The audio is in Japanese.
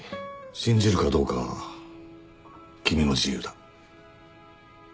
信じるかどうかは君の自由だ。